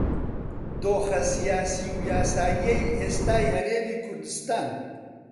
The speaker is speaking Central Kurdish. دۆخە سیاسی و یاساییەی ئێستای هەرێمی کوردستان